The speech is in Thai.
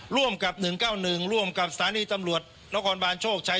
ร่วมกับ๑๙๑ร่วมกับสถานีตำรวจนครบานโชคชัย